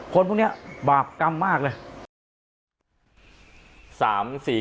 คนพวกนี้บาปกรรมมากเลย